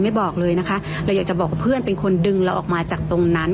บอกเลยนะคะเราอยากจะบอกว่าเพื่อนเป็นคนดึงเราออกมาจากตรงนั้น